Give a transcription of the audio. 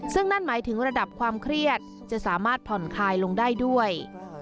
ซึ่งนั่นหมายถึงระดับความเครียดจะสามารถผ่อนคลายลงได้ด้วย